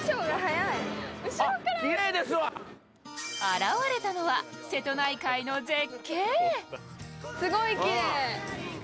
現れたのは瀬戸内海の絶景。